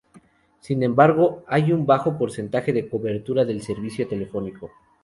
Sin embargo hay un bajo porcentaje de cobertura del servicio telefónico.